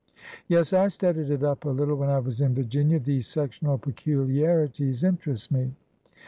" Yes. I studied it up a little when I was in Virginia. These sectional peculiarities interest me."